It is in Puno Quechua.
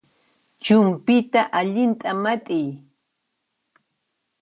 Chumpyta allinta mat'iy